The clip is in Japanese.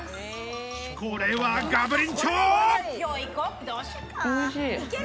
これはガブリンチョ！